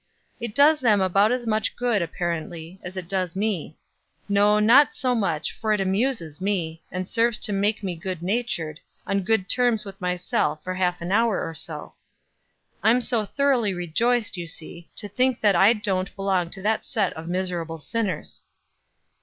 It does them about as much good, apparently, as it does me no not so much, for it amuses me, and serves to make me good natured, on good terms with myself for half an hour or so. I'm so thoroughly rejoiced, you see, to think that I don't belong to that set of miserable sinners."